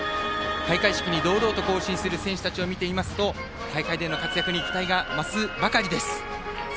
開会式に堂々と行進する選手たちを見ていますと大会での活躍に期待が増すばかりです。